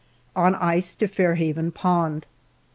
On ice to Fair Haven Pond.